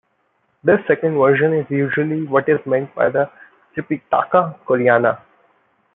This second version is usually what is meant by the Tripitaka Koreana.